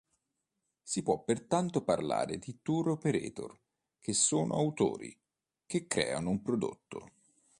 Si può pertanto parlare di tour operator che sono autori, che creano un prodotto.